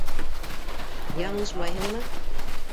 - Яңылышмайһыңмы?